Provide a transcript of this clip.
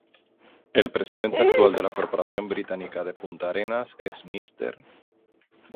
El presidente actual de la Corporación Británica de Punta Arenas es Mr.